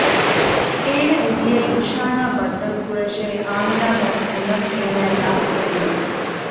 އޭނާ އެ ދިޔައީ ވިޝާން އާ ބައްދަލުކުރަންށޭ އާމިނާ ގާތު ބުނަން އޭނާއަށް ލާހިކެއް ނޫން